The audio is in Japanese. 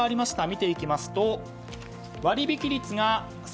見ていきますと割引き率が３０％